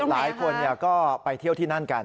หลายคนก็ไปเที่ยวที่นั่นกัน